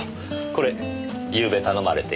これゆうべ頼まれていた。